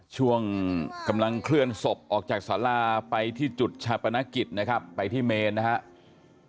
ช่วงกำลังเคลื่อนศพออกจากสาราไปที่จุดชาปนกิจนะครับไปที่เมนนะครับ